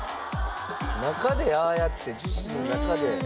「中でああやって樹脂の中で」